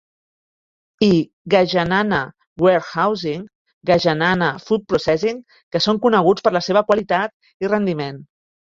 I Gajanana Warehousing, Gajanana Food Processing que són coneguts per la seva qualitat i rendiment.